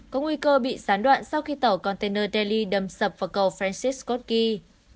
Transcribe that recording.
có nguy cơ bị sán đoạn sau khi tàu container delhi đâm sập vào cầu francis scott key